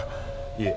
いえ。